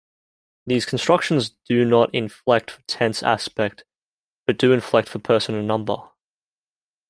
These constructions do not inflect for Tense-Aspect, but do inflect for person and number.